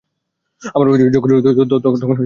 আমার বয়স যখন দুই বছর, তখন আমার বাবা দ্বিতীয় বিয়ে করেন।